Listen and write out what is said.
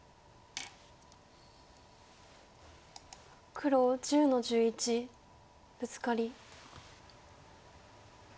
黒１０の十一ブツカリ。